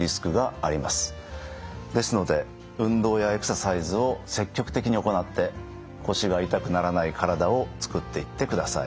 ですので運動やエクササイズを積極的に行って腰が痛くならない体を作っていってください。